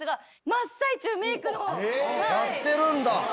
やってるんだ。